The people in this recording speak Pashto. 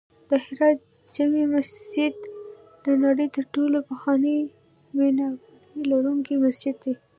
د هرات د جمعې مسجد د نړۍ تر ټولو پخوانی میناکاري لرونکی مسجد دی